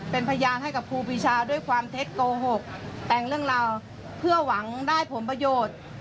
เป็นพยานให้กับครูปีชาด้วยความเท็จโกหกแต่งเรื่องราวเพื่อหวังได้ผลประโยชน์